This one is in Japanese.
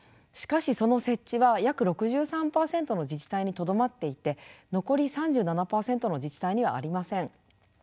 しかしその設置は約６３％の自治体にとどまっていて残り３７％の自治体にはありません。